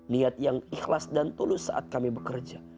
niat yang ikhlas dan tulus saat kami bekerja